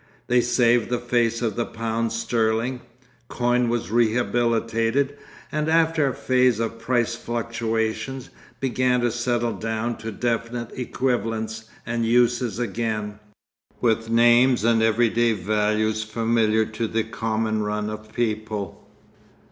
They saved the face of the pound sterling. Coin was rehabilitated, and after a phase of price fluctuations, began to settle down to definite equivalents and uses again, with names and everyday values familiar to the common run of people....